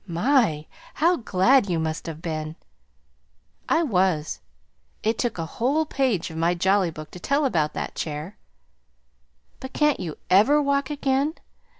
"My! how glad you must have been!" "I was. It took a whole page of my Jolly Book to tell about that chair." "But can't you EVER walk again?"